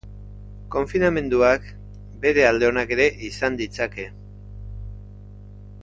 Konfinamenduak bere alde onak ere izan ditzake.